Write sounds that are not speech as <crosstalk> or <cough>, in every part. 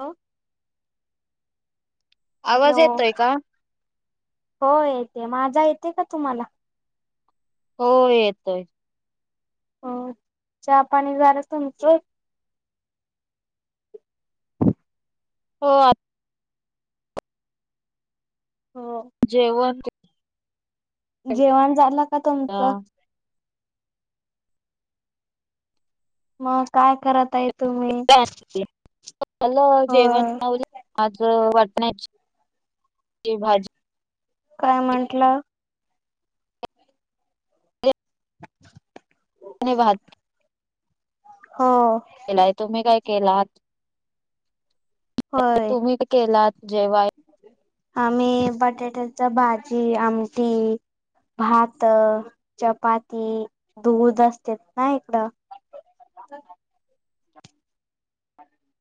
हो. आवाज हॅलो, येतोय का? हो येते माझा येते का तुम्हाला? हो येतोय. हा, चहा पाणी झाल तुमचं. हो. हो. जेवण <unintelligible> केलं. जेवण झालं का तुमचं? मग काय करत आहेत? <unintelligible> झाल जेवण होय <unintelligible> आज वटाण्याची भाजी काय म्हटला? हुं. आणि भात. हो. नाही तुम्ही काय केलात? होय तुम्ही काय केलात जेवाय? आम्ही बटाट्याच भाजी, आमटी भात, चपाती, दूध असतेत ना इकडं.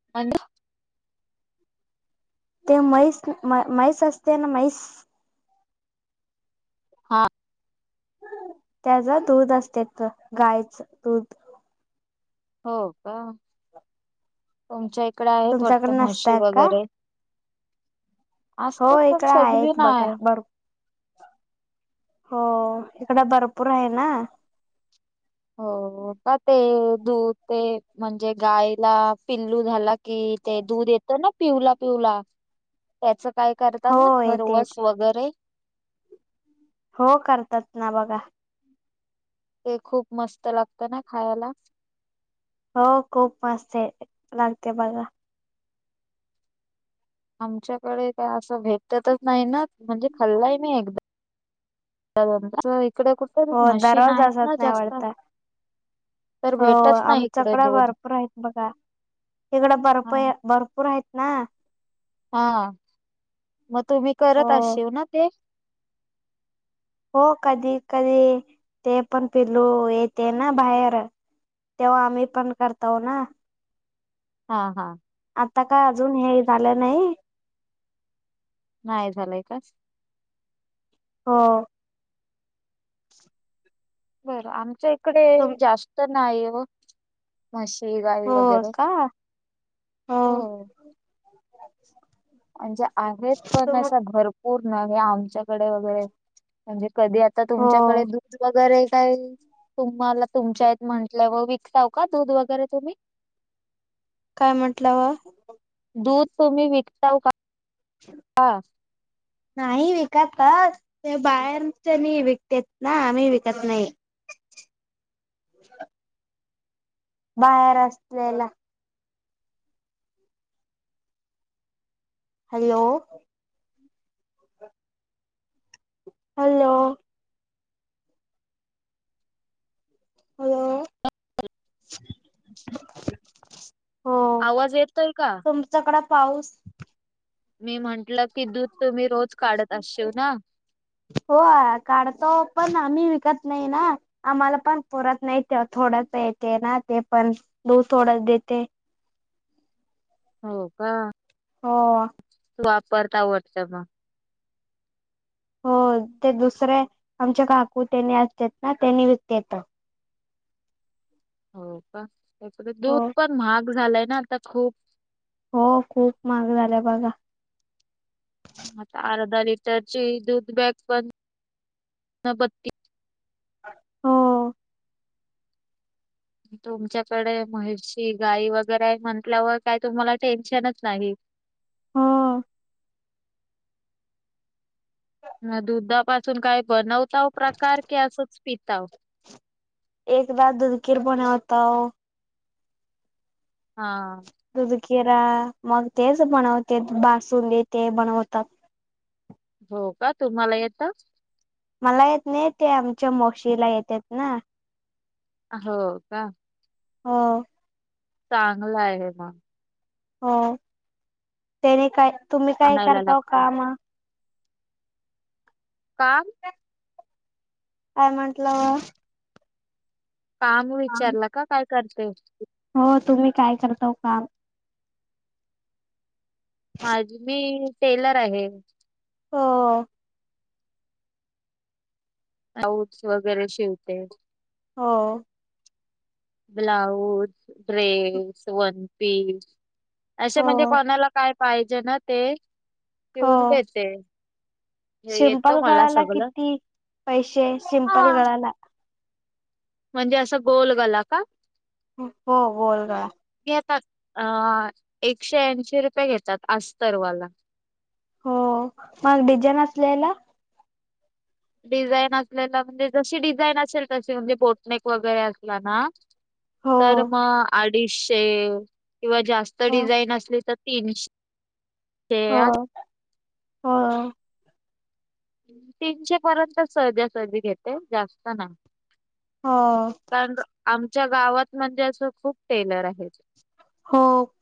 <unintelligible> ते मैस मैस असते ना मैस हा. त्याच दूध असत, गायच दूध. हो का? तुमच्या इकडे आहेत तुमच्याकडे वाटतं म्हशी नसतय का वगैरे. हो, असतात पण इकडे सगळी आहेत बघा, नाही. बर हो, इकड भरपूर आहे ना. हो हो का? ते दूध ते म्हणजे गायला पिल्लू झाला कि ते दूध येतं ना, पिवला पिवला त्याचं काय करतात हो ना, येते खरवस येते वगरे हो करतात ना बघा. ते खूप मस्त लागतं ना खायाला. हो खूप मस्त हाय ते, लागते बघा. आमच्याकडे काय असं भेटतच नाही ना म्हणजे खल्ला ही नाही एकदा. ते ह्याचं इकड कुठ हो दरोज असत नाही वाटतं. तर हो भेटत नाही इकडे आमच्याकडे दूध भरपूर आहेत बघा. तिकडं हा बरप भरपूर आहेत ना. हा, म तुम्ही हो करत असशीव ना ते? हो, कधी कधी ते पण पिलू येते ना, बाहेर तेव्हा आम्ही पण करताव ना? हा हा. आता काय अजून हे झालं नाही नाही झालंय का? हो. <inaudible> बरं, आमच्या इकडे तुम जास्त नाही ओ. म्हशी गाई हो वगैरे, का हो. <inaudible> म्हणजे आहेत पण, तुम अशा भरपूर नाही हे आमच्याकडे वगैरे म्हणजे कधी आता हो तुमच्याकडे दूध वगैरे काय तुम्हाला तुमच्यात आहेत म्हटल्याव विकताव का दूध वगैरे तुम्ही. काय म्हटल्याव दूध तुम्ही विकताव का? च <unintelligible> हा नाही विकत तर, ते बाहेरचणी विकतेत ना आम्ही विकत नाही. बाहेर असतेत. हॅलो! हॅलो! हॅलो आवाज येत नाही का. तुम्हच्याकड पाऊस मी म्हंटलं की दूध तुम्ही रोज काढत असशील ना. हो काढतो पण आम्ही विकत नाही ना. आम्हाला पण पुरत नाही थोडच येते ना ते पण दुध थोडंच देते. हो का हो हो वापरता वाटत हो ते दुसरे आमचे काकू त्यानी असत ना त्यांनी विकतेत. हो का, त्याक दूध हो पण महाग झालंय ना आता खूप. हो खूप महाग झाला बघा. आता अर्धा लिटरची दूध बॅग पण बत्तीस हो तुमच्याकडे म्हशी गाई वगैरे आहे म्हंटल्यावर काय तुम्हाला टेन्शनच नाही. हो म दुधापासून काय बनवताव प्रकार की असंच पीताव. एकदा दुध खीर बनवतो. हा हा दुधखीरा मग तेच बनवतेत बासुंदी ते बनवतात. हो का तुम्हाला येत? मला येत नाही ते आमच्या माउशीला येतत ना. हो का हो चांगलय आहेग मग. हो. त्याने काय तुम्ही काय आणायला करता लागतं. काम? काम. काय म्हंटलं. काम विचारलं का काय करते. हो तुम्ही काय करताव काम माझी मी टेलर आहे. हो ब्लाउज वगैरे शिवते. हो ब्लाऊज ड्रेस वन पीस असं हो म्हणजे कोणाला काय पाहिजे ना ते शिवून देते. हे येतं सिंपल मला गळाला सगळं. किती पैसे? सिंपल हा. गळाला. म्हणजे असं गोल गला का? हो गोल गला. घेतात अ एकशे ऐंशी रुपये घेतात अस्तरवाला. हो, मग डिझान असल्याला? डिझाईन असलेला म्हणजे जशी डिझाईन असेल तशी म्हणजे बोटनेक वगैरे असला ना हो तर मग अडीचशे किंवा जास्त हो डिझाईन असली तर तीनशे. <unintelligible> <inaudible> हा. तीनशे पर्यंत सहज्या-सहजी घेते जास्त ना. हा. कारण आमच्या गावात म्हणजे असं खूप टेलर आहे. हो.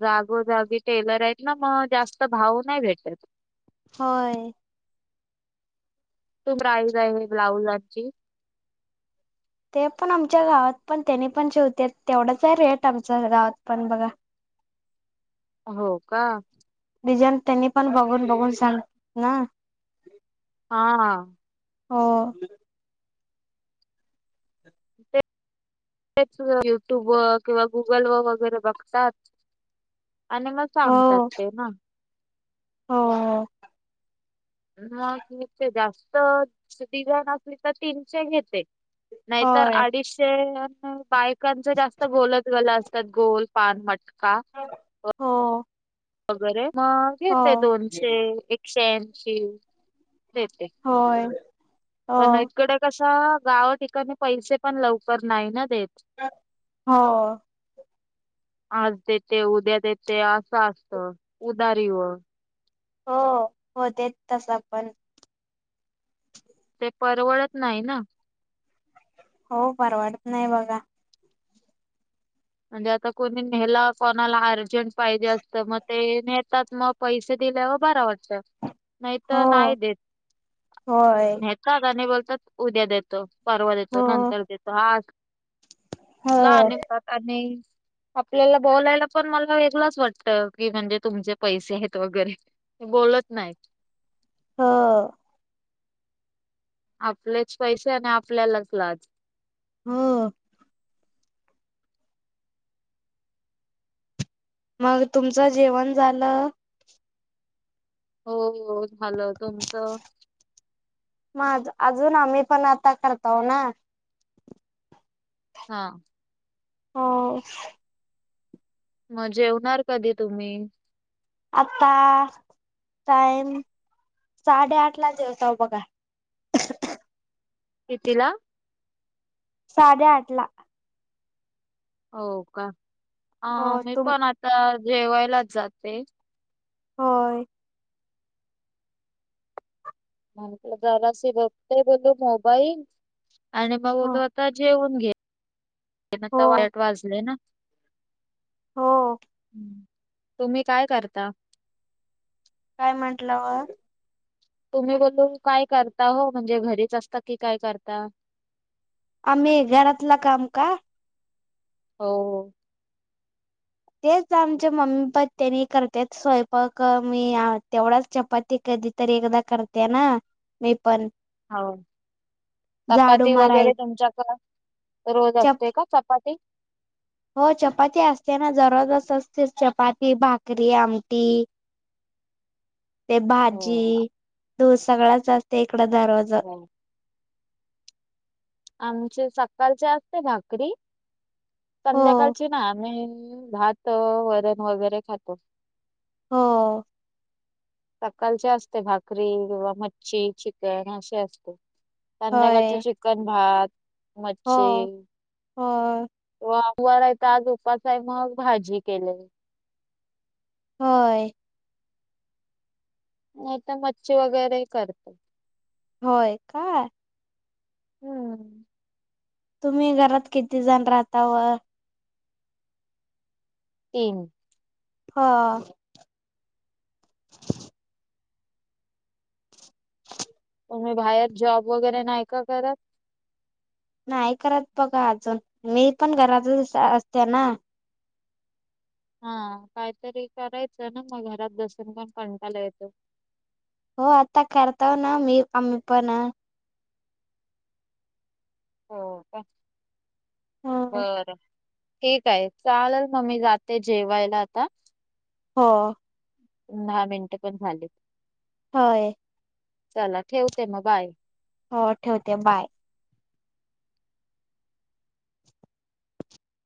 जागोजागी टेलर आहेत ना मग जास्त भाव नाही भेटत. होय. तू प्राईज आहे ब्लाउजाची? ते पण आमच्या गावात पण त्यांनी पण शेवते तेवढाच आहे रेट आमच्या गावात पण बघा. हो का. डिजाईन त्यांनी पण बघून-बघून सांगत ना. हा हा. हो. <unintelligible> ते युट्यूब व किंवा गुगल व वगैरे बघतात. आणि मग हो सांगतात ते ना. हो हो. हा म ते जास्त डिझान असली तर तीनशे घेते. नाहीतर होय अडीशे बायकांच जास्त गोलत गलाच त्यात गोल पान मटका. <inaudible> हो‌. वगैरे मग येते दोनशे एकशेऐंशी देते. होय. हो पण इकडे कसं गाव ठिकाणी पैसे पण लवकर नाही ना देत. हो. आज देते, उद्या देते असं असत उदारी वर. हो हो देत तसं पण. ते परवडत नाही ना. हो परवडत नाही बघा. म्हणजे आता कोणी नेला कोणाला अर्जंट पाहिजे असतं ते नेतात मग पैसे दिलेवर बरा <unintelligible> नाही तर हो नाही देत. होय नेतात आणि बोलतात उद्या देतो, - परवा देतो, हो नंतर देतो आज हो <inaudible> लानात आणि आपल्याला बोलायला पण मला वेगळाच वाटत की म्हणजे तुमचे पैसे आहेत वगैरे. बोलत नाहीत. हो. आपलेच पैसे आणि आपल्यालाच लाज. हो, मग तुमचं जेवण झालं? हो-हो झालं, तुमचं? माझं अजून आहे, पण आता करता ओ ना. हा, हो, म जेवणार कधी तुम्ही? आता टाइम साडेआठ ला जेवताव बघा. कितीला? साडेआठ ला. हो का? हो अं मी तुम पण आता जेवायलाच जाते. होय. म्हटलं जरासे बघतो बघू मोबाईल आणि मग हो म्हटलं आता जेवून घे आता हो साडेआठ वाजले ना, हो हम्म. तुम्ही काय करता? काय म्हटलं? तुम्ही बोलू काय करता हो म्हणजे, घरीच असता की काय करता? आम्ही घरातलं काम का? हो -हो. तेच आमच्या मम्मी पण त्यांनी करत्यात स्वयंपाक, मी तेवढाचं चपाती कधी तरी एकदा करते ना, मी पण हाव, झाडू चपाती माराय वगैरे तुमच्या कडं रोज चप असते का चपा पाती, हो चपाती असते ना जरा जसं असतेस चपाती, भाकरी, आमटी, <inaudible> ते हो भाजी दूध सगळच असते इकड दररोज. हो आमचे सकाळचे असते भाकरी. हो संध्याकाळची ना आम्ही भात, वरण, वगैरे खातो. हो. सकाळचे असते भाकरी किंवा मच्छी, चिकन, अशे असते. संध्याकाळच होय चिकन, भात, हो मच्छी हो. <unintelligible> आहे ना, आज उपास आहे ना मग भाजी केले. होय. नाहीतर मच्छी वगैरे करतो. होय, का? हम्म तुम्ही घरात किती जण राहता व? तीन. हा. तुम्ही बाहेर जॉब वगैरे नाही का करत? नाही करत बघा अजून, मी पण घरातच अस- असते ना, हा काहीतरी करायचं ना, मग घरात बसून पण कंटाला येतो. हो आता करताव ना मी आम्ही पण अं. हो का? हो बरं. ठीक आहे, चालंल मं मी जाते जेवायला आता. हो, दहा मिनटं पण झालीत.? होय,? चला ठेवते मग बाय, हो ठेवते बाय,